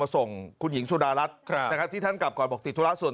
ส่งคุณหญิงสุดารัฐนะครับที่ท่านกลับก่อนบอกติดธุระส่วน